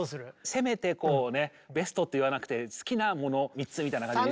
せめてこうねベストって言わなくて好きなもの３つみたいな感じで。